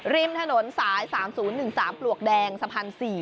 ริมถนนสาย๓๐๑๓ปลวกแดงสะพาน๔